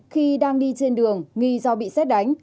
khi đang đi trên đường nghi do bị xét đánh